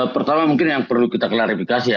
pertama mungkin yang perlu kita klarifikasi ya